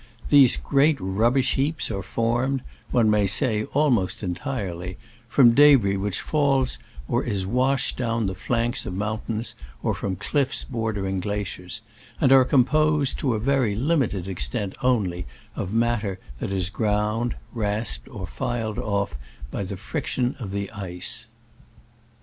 These great rubbish heaps are formed — one may say almost entirely — from debris which falls or is washed down the flanks of moun tains, or from cliffs bordering glaciers ; and are composed, to a very limited extent only, of matter that is ground, rasped or filed off by the friction of the ice.